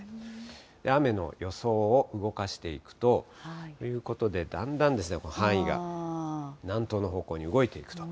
雨の予想を動かしていくと、ということで、だんだん範囲が南東の方向に動いていくと。